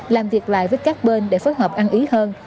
làm việc lại với các bên để phối hợp ăn ý hơn